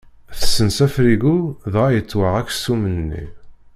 Tessens afrigu dɣa yettwaɣ aksum-nni.